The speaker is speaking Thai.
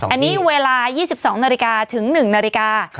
อันนี้เวลา๒๒นาฬิกาถึง๑นาฬิกา